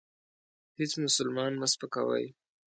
هیڅ مسلمان مه سپکوئ.